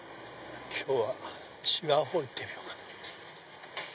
今日は違う方行ってみようか。